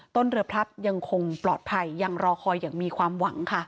ต้นเรือพลับยังคงปลอดภัยยังรอคอยอย่างมีความหวังค่ะ